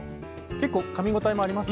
結構かみ応えもあります。